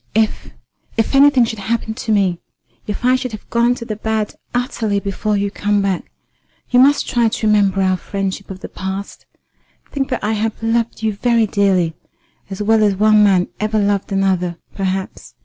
If if anything should happen to me if I should have gone to the bad utterly before you come back, you must try to remember our friendship of the past. Think that I have loved you very dearly as well as one man ever loved another, perhaps."